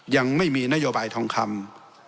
ยังไม่มีนโยบายทองคำ